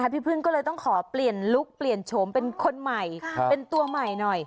พี่พึ่งก็เลยต้องขอเปลี่ยนลุคเปลี่ยนโฉมเป็นคนใหม่เป็นตัวใหม่หน่อย